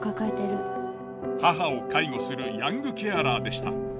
母を介護するヤングケアラーでした。